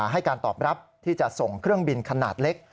ให้การตอบรับที่จะส่งเครื่องบินขนาดเล็ก